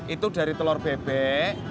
itu dari telur bebek